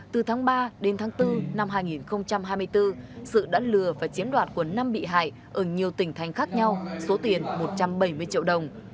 từ tháng ba đến tháng bốn năm hai nghìn hai mươi bốn sự đã lừa và chiếm đoạt của năm bị hại ở nhiều tỉnh thành khác nhau số tiền một trăm bảy mươi triệu đồng